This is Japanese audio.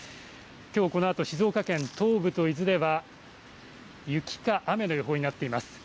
きょうこのあと、静岡県東部と伊豆では雪か雨の予報になっています。